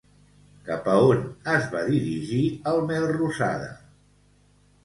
Cap a on es va dirigir el Melrosada?